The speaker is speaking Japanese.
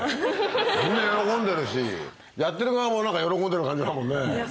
みんな喜んでるしやってる側も何か喜んでる感じだもんね。